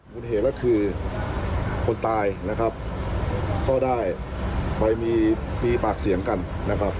เหตุก็คือคนตายนะครับก็ได้ไปมีปากเสียงกันนะครับ